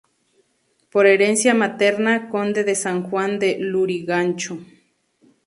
Por herencia materna, V Conde de San Juan de Lurigancho.